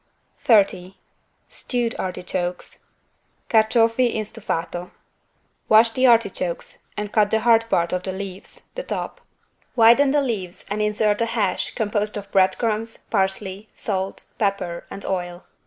30 STEWED ARTICHOKES (Carciofi in stufato) Wash the artichokes and cut the hard part of the leaves (the top). Widen the leaves and insert a hash composed of bread crumbs, parsley, salt, pepper and oil.